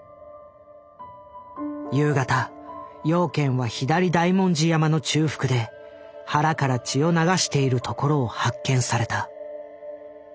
夕方養賢は左大文字山の中腹で腹から血を流しているところを発見された。